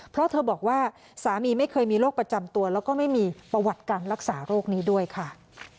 เพราะเธอบอกว่าสามีไม่เคยมีโรคประจำตัวแล้วก็ไม่มีประวัติการรักษาโรคนี้ด้วยค่ะ